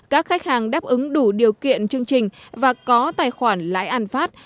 các khách hàng đáp ứng đủ điều kiện chương trình và có tài khoản lãi an phát